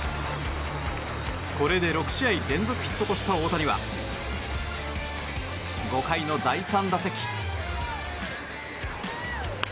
これで６試合連続ヒットとした大谷は５回の第３打席。